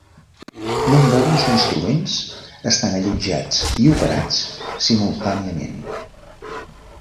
Nou mòduls d'instruments estan allotjats i operats simultàniament.